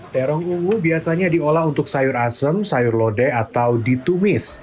terong ungu biasanya diolah untuk sayur asem sayur lode atau ditumis